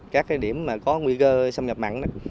các cái điểm mà có nguy cơ xâm nhập mặn